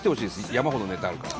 山ほどネタあるから。